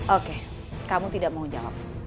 oke kamu tidak mau jawab